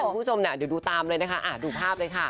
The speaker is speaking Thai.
คุณผู้ชมเดี๋ยวดูตามเลยนะคะดูภาพเลยค่ะ